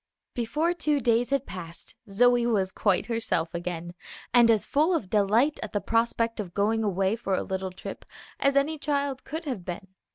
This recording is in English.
Before two days had passed Zoe was quite herself again, and as full of delight at the prospect of going away for a little trip as any child could have been.